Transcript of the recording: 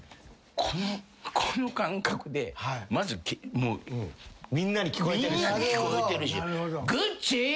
この間隔でまずみんなに聞こえてるし。